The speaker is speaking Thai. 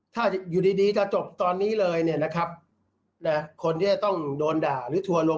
ถ้าอยู่ดีจะจบตอนนี้เลยเนี่ยนะครับคนที่จะต้องโดนด่าหรือทัวร์ลง